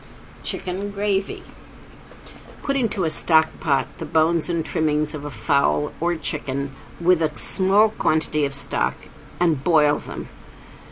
~CHICKEN GRAVY~ Put into a stockpot the bones and trimmings of a fowl or chicken with a small quantity of stock and boil them.